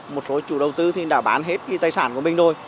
một số chủ đầu tư thì đã bán hết cái tài sản của mình rồi